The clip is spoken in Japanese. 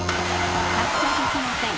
発車できません。